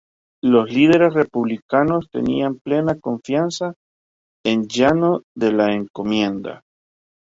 Los líderes republicanos tenían plena confianza en Llano de la Encomienda.